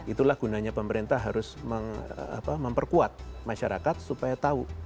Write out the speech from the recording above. itulah gunanya pemerintah harus memperkuat masyarakat supaya tahu